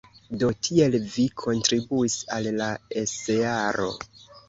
Do, tiel vi kontribuis al la esearo!